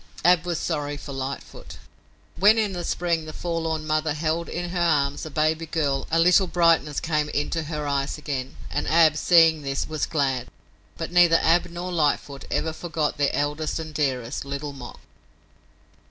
Ab was sorry for Lightfoot. When in the spring the forlorn mother held in her arms a baby girl a little brightness came into her eyes again, and Ab, seeing this, was glad, but neither Ab nor Lightfoot ever forgot their eldest and dearest, Little Mok.